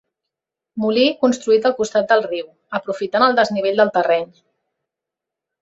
Molí construït al costat del riu, aprofitant el desnivell del terreny.